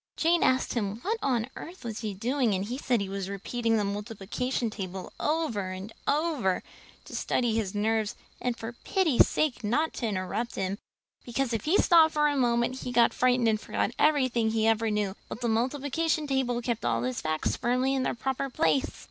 Jane asked him what on earth he was doing and he said he was repeating the multiplication table over and over to steady his nerves and for pity's sake not to interrupt him, because if he stopped for a moment he got frightened and forgot everything he ever knew, but the multiplication table kept all his facts firmly in their proper place!